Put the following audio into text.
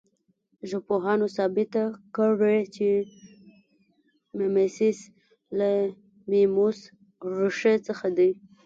ژبپوهانو ثابته کړې چې میمیسیس له میموس ریښې څخه دی